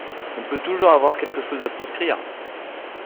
On veut donc toujours avoir quelque chose à proscrire!